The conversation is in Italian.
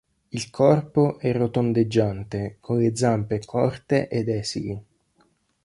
Il corpo è rotondeggiante con le zampe corte ed esili.